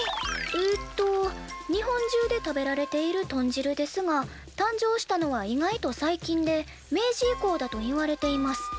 えっと「日本中で食べられている豚汁ですが誕生したのは意外と最近で明治以降だといわれています。